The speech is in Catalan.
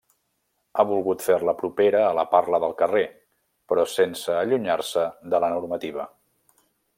Ha volgut fer-la propera a la parla del carrer però sense allunyar-se de la normativa.